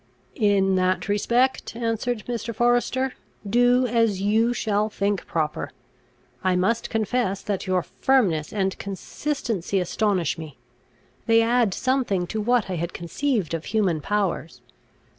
"In that respect," answered Mr. Forester, "do as you shall think proper. I must confess that your firmness and consistency astonish me. They add something to what I had conceived of human powers.